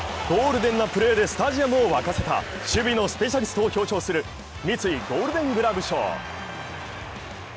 ゴールデンなプレーでスタジアムを沸かせた守備のスペシャリストを表彰する三井ゴールデングラブ賞。